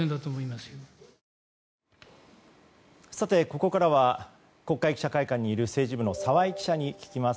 ここからは国会記者会館にいる政治部の澤井記者に聞きます。